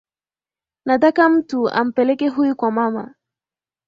Nataka mtu ampeleke huyu kwa mama